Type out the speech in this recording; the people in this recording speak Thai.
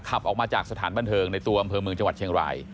ขับออกมาจากสถานบันเทิงในตัวอำเภอเมืองจังหวัดเชียงราย